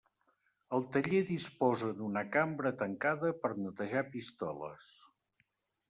El taller disposa d'una cambra tancada per netejar pistoles.